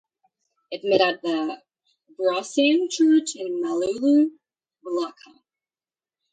It met at the Barasoain Church in Malolos, Bulacan.